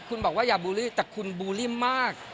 คุณบอกว่าอย่าบูลลี่แต่คุณบูลลี่มาก